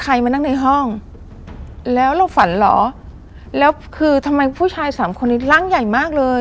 มานั่งในห้องแล้วเราฝันเหรอแล้วคือทำไมผู้ชายสามคนนี้ร่างใหญ่มากเลย